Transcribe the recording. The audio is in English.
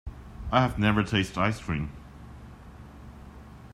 I have never tasted ice cream.